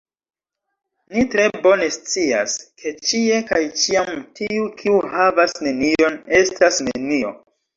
Ni tre bone scias, ke ĉie kaj ĉiam tiu, kiu havas nenion, estas nenio.